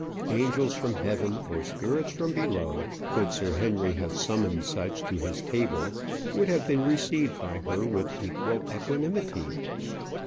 Angels from heaven, or spirits from below, could Sir Henry have summoned such to his table, would have been received by her with equal equanimity.